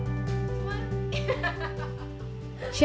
sekarang kita akan mencoba untuk mencoba